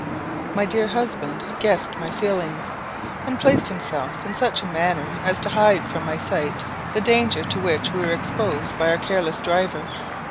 My dear husband guessed my feelings, and placed himself in such a manner as to hide from my sight the danger to which we were exposed by our careless driver.